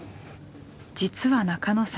実は中野さん